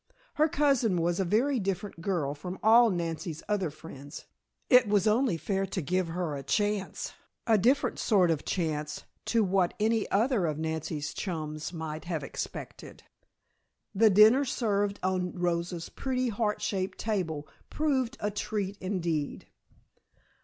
Her cousin was a very different girl from all Nancy's other friends, it was only fair to give her a chance a different sort of chance to what any other of Nancy's chums might have expected. The dinner served on Rosa's pretty heart shaped table proved a treat indeed.